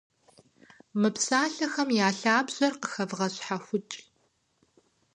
Мы псалъэхэм я лъабжьэхэр къыхэвгъэщхьэхукӏ.